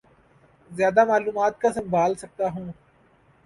زیادہ معلومات کا سنبھال سکتا ہوں